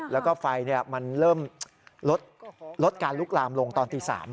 แล้วก็ไฟมันเริ่มลดการลุกลามลงตอนตี๓